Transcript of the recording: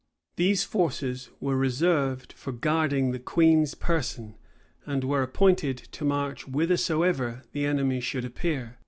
These forces were reserved for guarding the queen's person, and were appointed to march whithersoever the enemy should appear.